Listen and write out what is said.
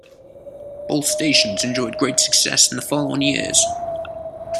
Both stations enjoyed great success in the following years.